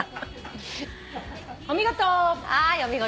お見事！